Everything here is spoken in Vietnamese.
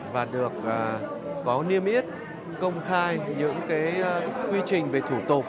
và được có niêm yết công khai những quy trình về thủ tục